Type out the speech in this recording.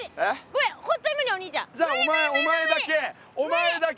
じゃあお前お前だけお前だけ！